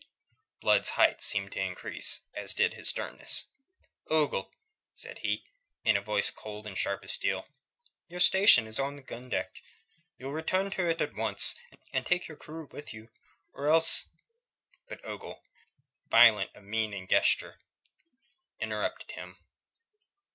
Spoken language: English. Blood's height seemed to increase, as did his sternness. "Ogle," said he, in a voice cold and sharp as steel, "your station is on the gun deck. You'll return to it at once, and take your crew with you, or else...." But Ogle, violent of mien and gesture, interrupted him.